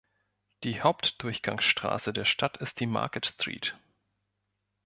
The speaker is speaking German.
Die Hauptdurchgangsstraße der Stadt ist die Market Street.